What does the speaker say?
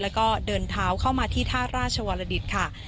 แล้วก็เดินเท้าเข้ามาที่ท่าราชวรดิตค่ะ